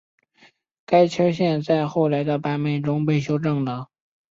该缺陷在后来的版本中被修正了。